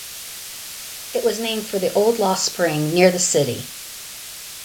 It was named for the old lost spring near the city.